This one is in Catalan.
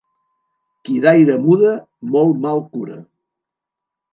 Qui d'aire muda molt mal cura.